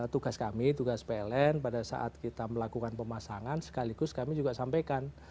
tugas kami tugas pln pada saat kita melakukan pemasangan sekaligus kami juga sampaikan